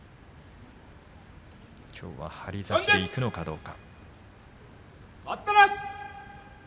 きょうは張り差しでいくのかどうか。